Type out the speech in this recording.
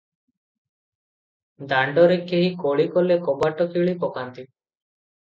ଦାଣ୍ଡରେ କେହି କଳି କଲେ କବାଟ କିଳି ପକାନ୍ତି ।